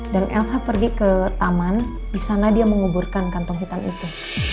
dan elsa pergi ke taman di sana dia menguburkan kantong hitam itu